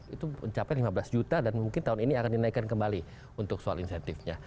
itu mencapai lima belas juta dan mungkin tahun ini akan dinaikkan kembali untuk soal insentifnya